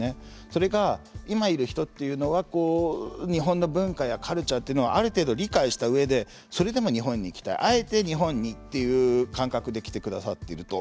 それが今いる人というのは日本の文化やカルチャーというのはある程度、理解した上でそれでも日本に行きたいあえて日本にという感覚で来てくださっていると。